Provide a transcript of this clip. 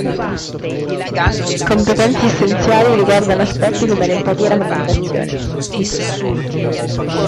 Competenze essenziali riguardano aspetti come l'empatia e la comunicazione.